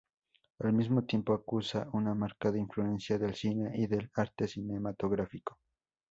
Al mismo tiempo acusa una marcada influencia del cine y del arte cinematográfico.